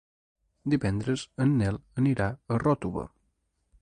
Divendres en Nel anirà a Ròtova.